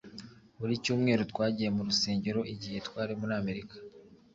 Buri cyumweru twagiye mu rusengero igihe twari muri Amerika